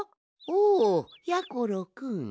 おやころくん。